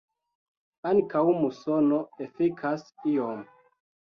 Ankaŭ musono efikas iom.